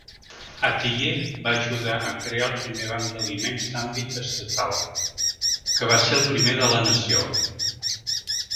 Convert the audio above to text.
Atiyeh va ajudar a crear el primer banc d'aliments d'àmbit estatal, que va ser el primer de la nació.